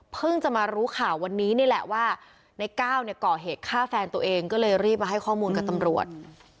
จะมารู้ข่าววันนี้นี่แหละว่าในก้าวเนี่ยก่อเหตุฆ่าแฟนตัวเองก็เลยรีบมาให้ข้อมูลกับตำรวจ